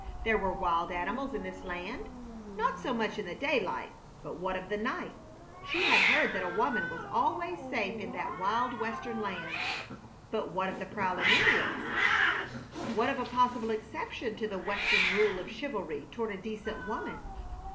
There were wild animals in this land, not so much in the daylight, but what of the night? She had heard that a woman was always safe in that wild Western land; but what of the prowling Indians? What of a possible exception to the Western rule of chivalry toward a decent woman?